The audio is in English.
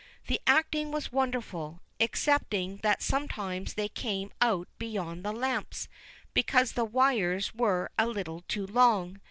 The acting was wonderful, excepting that sometimes they came out beyond the lamps, because the wires were a little too long.